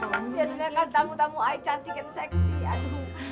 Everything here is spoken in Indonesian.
biasanya kan tamu tamu ayah cantik dan seksi